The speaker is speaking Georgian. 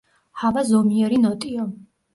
ჰავა ზომიერი ნოტიო.